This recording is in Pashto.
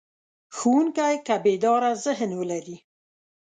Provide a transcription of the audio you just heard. ښوونکی که بیداره ذهن ولري.